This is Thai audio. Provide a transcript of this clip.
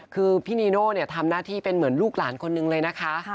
คือพี่นีโน่ทำหน้าที่เป็นเหมือนลูกหลานคนนึงเลยนะคะ